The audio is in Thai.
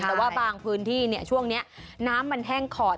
แต่ว่าบางพื้นที่ช่วงนี้น้ำมันแห้งขอด